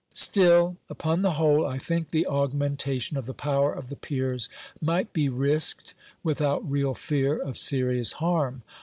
Still, upon the whole, I think the augmentation of the power of the peers might be risked without real fear of serious harm.